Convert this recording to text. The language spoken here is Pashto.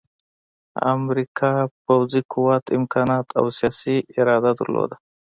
امریکا پوځي قوت، امکانات او سیاسي اراده درلوده